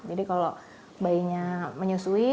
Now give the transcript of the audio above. jadi kalau bayinya menyusui